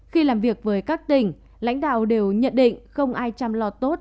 khi làm việc với các tỉnh lãnh đạo đều nhận định không ai chăm lo tốt